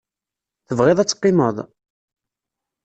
Tebɣiḍ ad teqqimeḍ?